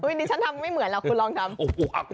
ดิฉันทำไม่เหมือนหรอกคุณลองทำ